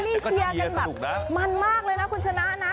นี่เชียร์กันแบบมันมากเลยนะคุณชนะนะ